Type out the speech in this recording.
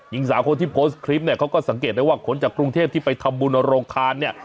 หญิงสาวคนที่โพสต์คลิปเนี่ยเขาก็สังเกตได้ว่าขนจากกรุงเทพที่ไปทำบุญโรงทานเนี่ย